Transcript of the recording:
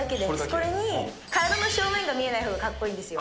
これに、体の正面が見えないほうがかっこいいんですよ。